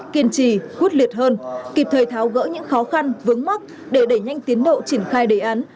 kiên trì quyết liệt hơn kịp thời tháo gỡ những khó khăn vướng mắt để đẩy nhanh tiến độ triển khai đề án